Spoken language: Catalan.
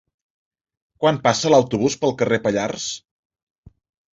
Quan passa l'autobús pel carrer Pallars?